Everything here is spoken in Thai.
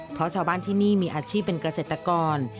เพราะชาวบ้านที่นี่มีอาชีพเป็นเกษตรกร